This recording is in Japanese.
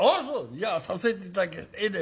じゃあさせて頂きます。